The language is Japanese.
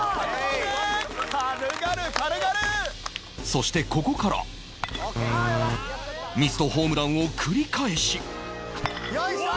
そしてここからミスとホームランを繰り返しよいしょ！